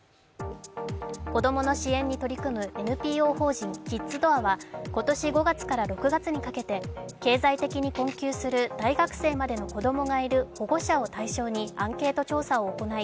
子供の支援に取り組むＮＰＯ法人キッズドアは今年５月から６月にかけて経済的に困窮する大学生までの子供がいる保護者を対象にアンケート調査を行い